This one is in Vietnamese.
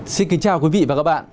xin kính chào quý vị và các bạn